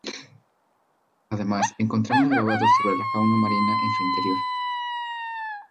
Además, encontramos grabados sobre la fauna marina en su interior.